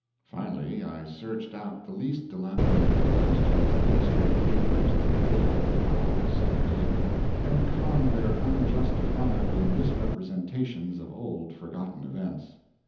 Finally, I searched out the least dilapidated of last year's illustrated papers that littered the foul center table, and conned their unjustifiable misrepresentations of old forgotten events.